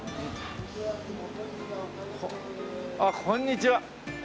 あっこんにちは。